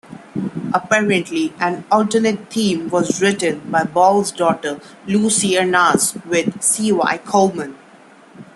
Apparently, an alternate theme was written by Ball's daughter, Lucie Arnaz, with Cy Coleman.